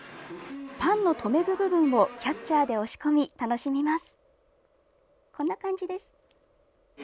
パンの留め具部分をキャッチャーで押し込み楽しみます。